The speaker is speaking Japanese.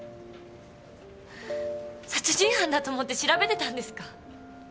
殺人犯だと思って調べてたんですか？